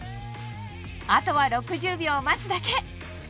あとは６０秒待つだけ！